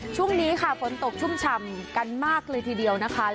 ช่วงนี้ค่ะฝนตกชุ่มฉ่ำกันมากเลยทีเดียวนะคะ